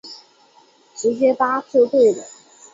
直接搭就对了